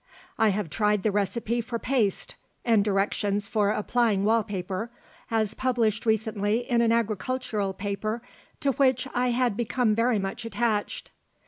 I have tried the recipe for paste and directions for applying wall paper, as published recently in an agricultural paper to which I had become very much attached.